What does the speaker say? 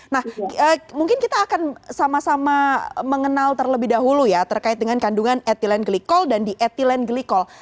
nah mungkin kita akan sama sama mengenal terlebih dahulu ya terkait dengan kandungan ethylene glycol dan di ethylene glycol